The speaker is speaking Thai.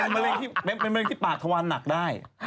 แม้แมลงปากฏะวันนักได้